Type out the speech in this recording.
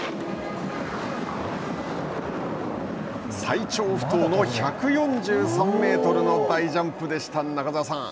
最長不倒の１４３メートルの大ジャンプでしたよ